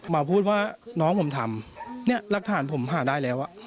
มาพูดว่าน้องผมทำเนี่ยรักฐานผมหาได้แล้ว